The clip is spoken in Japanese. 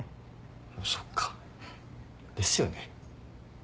そっかですよね。